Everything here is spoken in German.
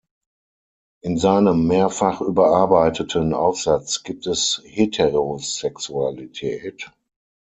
In seinem mehrfach überarbeiteten Aufsatz "Gibt es Heterosexualität?